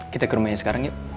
kita ke rumahnya sekarang yuk